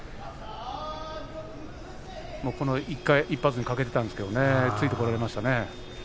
この１発にかけていたんですけれど鳰の湖についてこられましたね。